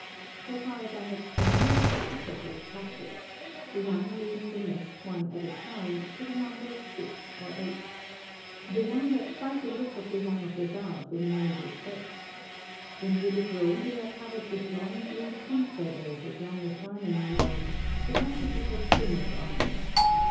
"So far as I have seen, this is the settled practice, the young leaving the nest one at a time, to the number of six or eight. The young have quite the look of the young of the dove in many respects. When nearly grown they are covered with long blue pin feathers as long as darning needles, without a bit of plumage on them.